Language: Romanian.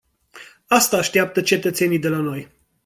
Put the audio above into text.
Asta așteaptă cetățenii de la noi.